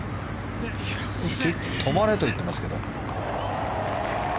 止まれと言ってますけど。